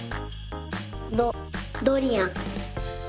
どドリアン。